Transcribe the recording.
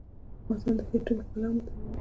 افغانستان د ښتې له پلوه متنوع دی.